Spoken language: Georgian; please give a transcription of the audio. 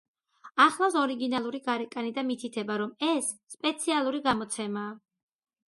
ახლავს ორიგინალური გარეკანი და მითითება, რომ ეს სპეციალური გამოცემაა.